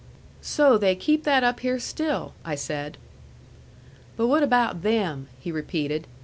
"So they keep that up here still," I said. "But what about them?" he repeated.